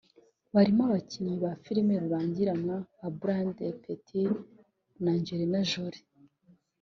barimo abakinnyi ba filimi rurangiranwa nka Brad Pitt na Angelina Jolie